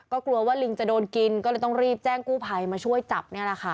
ก็กลัวว่าลิงจะโดนกินก็เลยต้องรีบแจ้งกู้ภัยมาช่วยจับ